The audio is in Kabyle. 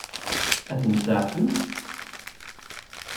Ad ten-seɛfen?